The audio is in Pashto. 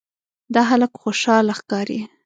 دا هلک خوشاله ښکاري.